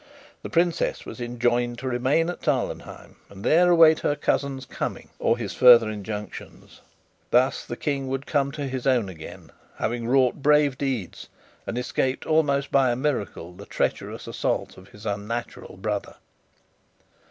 The princess was enjoined to remain at Tarlenheim, and there await her cousin's coming or his further injunctions. Thus the King would come to his own again, having wrought brave deeds, and escaped, almost by a miracle, the treacherous assault of his unnatural brother.